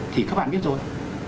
thì các bạn biết rồi